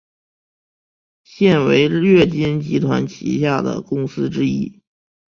现为乐金集团旗下的公司之一。